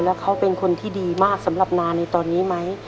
แล้วเขาเป็นคนที่ดีมากสำหรับนาในตอนนี้ไหม